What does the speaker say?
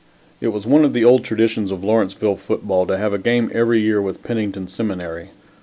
It was one of the old traditions of Lawrenceville football to have a game every year with Pennington Seminary.